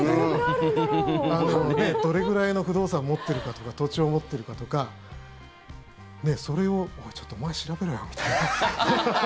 どれぐらいの不動産持ってるかとか土地を持ってるかとかそれを、ちょっとお前調べろよみたいな。